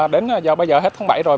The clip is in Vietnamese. đến bây giờ hết tháng bảy rồi